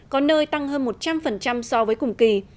có nơi tăng hơn một trăm linh so với cùng kỳ